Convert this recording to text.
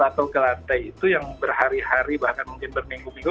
atau ke lantai itu yang berhari hari bahkan mungkin berminggu minggu